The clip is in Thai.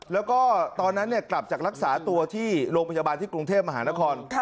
แล้วก็ตอนนั้นกลับจากรักษาตัวที่โรงพยาบาลที่กรุงเทพมหานคร